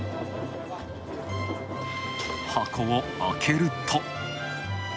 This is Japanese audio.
箱をあけると。